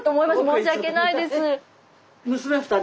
申し訳ないです。